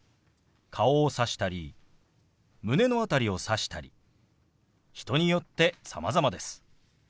顔をさしたり胸の辺りをさしたり人によってさまざまです。